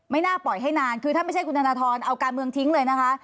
น่าปล่อยให้นานคือถ้าไม่ใช่คุณธนทรเอาการเมืองทิ้งเลยนะคะ